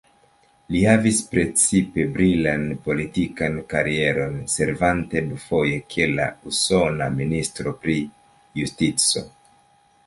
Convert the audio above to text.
Li havis precipe brilan politikan karieron, servante dufoje kiel la usona ministro pri justico.